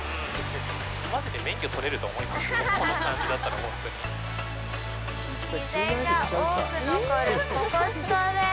マジで免許取れると思いますよ。